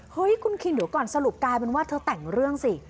เฮ้ยคุณคิงเดี๋ยวก่อนสรุปกลายเป็นว่าเธอแต่งเรื่องสิ